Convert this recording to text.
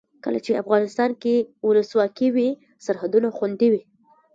کله چې افغانستان کې ولسواکي وي سرحدونه خوندي وي.